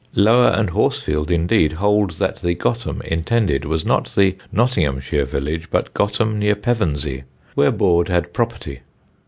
Lower and Horsfield indeed hold that the Gotham intended was not the Nottinghamshire village but Gotham near Pevensey, where Boord had property.